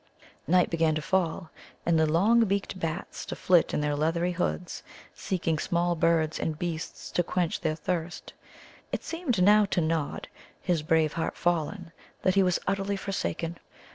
Night began to fall, and the long beaked bats to flit in their leathery hoods, seeking small birds and beasts to quench their thirst. It seemed now to Nod, his brave heart fallen, that he was utterly forsaken.